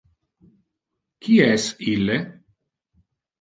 Qui es ille?